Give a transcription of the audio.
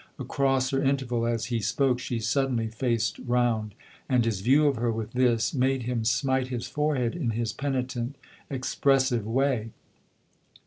Across her interval, as he spoke, she suddenly faced round, and his view of her, with this, made him smite his forehead in his penitent, expressive way.